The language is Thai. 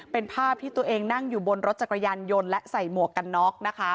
เป็นภาพที่ตัวเองนั่งอยู่บนรถจักรยานยนต์และใส่หมวกกันน็อกนะคะ